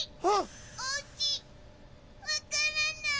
おうちわからない！